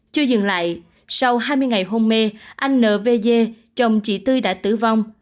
chưa dừng lại sau hai mươi ngày hôn mê anh n v d chồng chị tươi đã tử vong